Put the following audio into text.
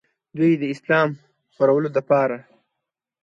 دوي د اسلام خورولو دپاره